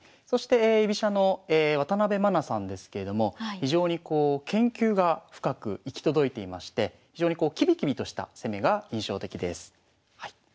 そして居飛車の渡部愛さんですけれども非常にこう研究が深く行き届いていまして非常にこうきびきびとした攻めが印象的です。